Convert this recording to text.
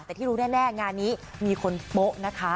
แต่ที่รู้แน่งานนี้มีคนโป๊ะนะคะ